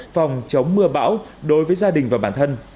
phòng chống mưa bão đối với gia đình và bản thân